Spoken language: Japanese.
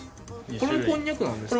これもこんにゃくです。